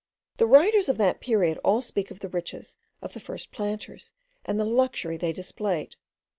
The writers of that period all speak of the riches of the first planters, and the luxury they displayed.